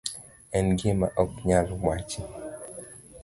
En gima ok nyal wachi.